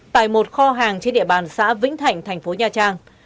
tại một kho hàng trên địa bàn xã vĩnh thạnh thành phố nha trang